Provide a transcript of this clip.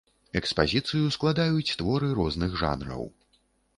Экспазіцыю складаюць творы розных жанраў.